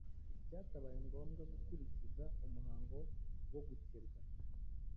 bytabaye ngombwa gukurikiza umuhango wo gukebwa.